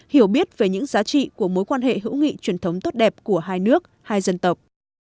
hiểu biết về những giá trị của mối quan hệ hữu nghị truyền thống tốt đẹp của hai nước hai dân tộc